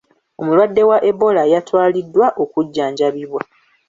Omulwadde wa Ebola yatwaliddwa okujjanjabibwa.